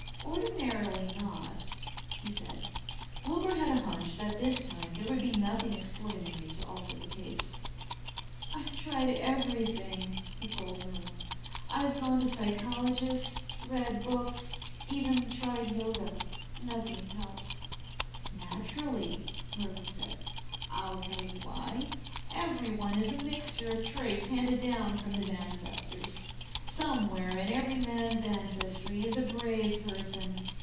"Ordinarily not," he said. Wilbur had a hunch that this time there would be nothing extraordinary to alter the case. "I've tried everything," he told Merlin. "I've gone to psychologists, read books, even tried Yoga. Nothing helps." "Naturally," Merlin said. "I'll tell you why: Everyone is a mixture of traits handed down from his ancestors. Somewhere in every man's ancestry is a brave person.